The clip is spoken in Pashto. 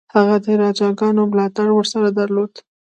هغه د راجاګانو ملاتړ ورسره درلود.